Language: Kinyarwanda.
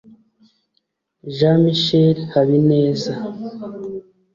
Jean Michel Habineza